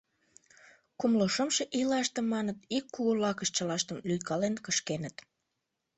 Кумло шымше ийлаште, маныт, ик кугу лакыш чылаштым лӱйкален кышкеныт.